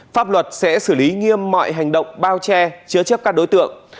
pháp luật sẽ xử lý nghiêm mọi hành động bao che chứa chấp các đối tượng